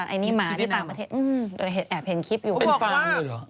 อันนี้หมาที่ต่างประเทศโดยแอบเห็นคลิปอยู่เป็นฟ้าเลยเหรอ